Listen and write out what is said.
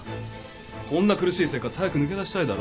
こんな苦しい生活早く抜け出したいだろう。